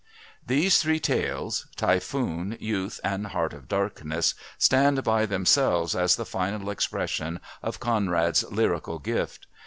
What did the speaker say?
These three tales, Typhoon, Youth and Heart of Darkness, stand by themselves as the final expression of Conrad's lyrical gift.